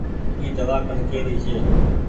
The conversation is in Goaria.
اي دوآ ڪڻڪي ري ڇي۔